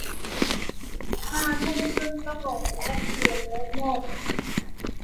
ห้าทุ่มครึ่งต้องออกละ เดี๋ยวรถหมด